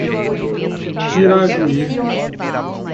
Pirajuí